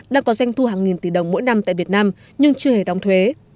đang có doanh thu hàng nghìn tỷ đồng mỗi năm tại việt nam nhưng chưa hề đóng thuế